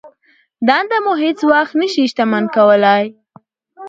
دنده مو هېڅ وخت نه شي شتمن کولای.